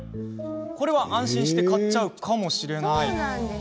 これは安心して買っちゃうかも。